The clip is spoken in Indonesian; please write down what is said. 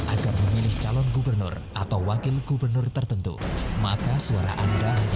agar memilih calon gubernur atau wakil gubernur tertentu maka suara anda